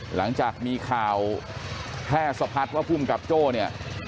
หลังจากมีข่าวแพร่สะพัดว่าภูมิกับโจ้เนี่ย